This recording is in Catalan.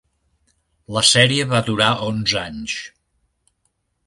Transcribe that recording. La sèrie va durar onze anys.